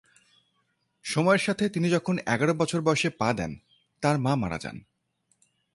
সময়ের সাথে তিনি যখন এগারো বছর বয়সে পা দেন, তার মা মারা যান।